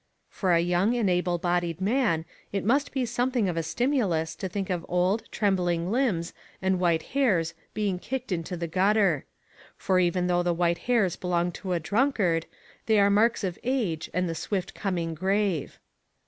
For a young and able bodied man it must be something of a stimulus to think of old, trembling limbs and white hairs being kicked into the gutter. For even though the white hairs belong to a drunkard, they are marks of age and the swift coming grave.